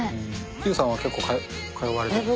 ＹＯＵさんは結構通われてる。